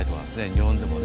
日本でもね